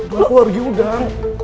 gue aku alergi udang